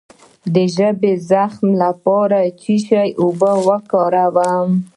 د ژبې د زخم لپاره د څه شي اوبه وکاروم؟